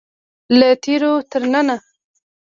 له تیرو تر ننه.